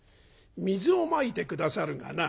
水をまいて下さるがな